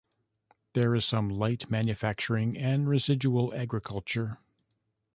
There is some light manufacturing and residual agriculture.